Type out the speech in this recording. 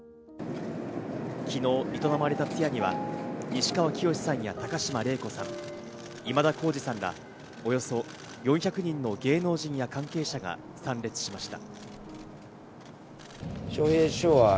昨日、営まれた通夜には西川きよしさんや、高島礼子さん、今田耕司さんや、およそ４００人の芸能人や関係者が参列しました。